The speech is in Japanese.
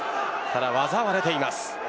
ただ技は出ています。